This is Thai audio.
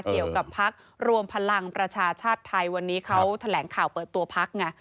เกี่ยวกับพักรวมพลังประชาชาติไทยวันนี้เขาแถลงข่าวเปิดตัวพักไง